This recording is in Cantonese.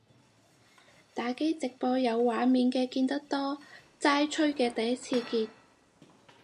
打機直播有畫面嘅見得多，齋吹嘅第一次見